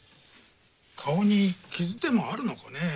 顔に傷でもあるのかねぇ？